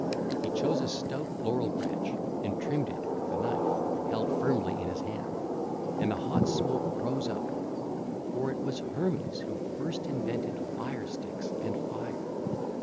He chose a stout laurel branch and trimmed it with the knife.... ((LACUNA)) 2516 ....held firmly in his hand: and the hot smoke rose up. For it was Hermes who first invented fire sticks and fire.